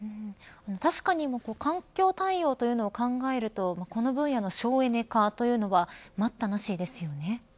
確かに環境対応というのを考えるとこの分野の省エネ化というのは待ったなしですよね。